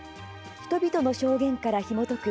人々の証言からひもとく